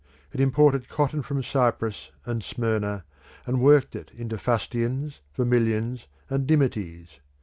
It imported cotton from Cyprus and Smyrna, and worked it into fustians, vermilions, and dimities.